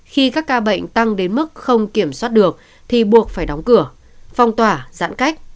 khi các ca bệnh tăng đến mức không kiểm soát được thì buộc phải đóng cửa phong tỏa giãn cách